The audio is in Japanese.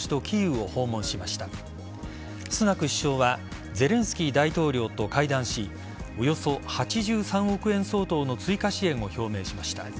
首相はゼレンスキー大統領と会談しおよそ８３億円相当の追加支援を表明しました。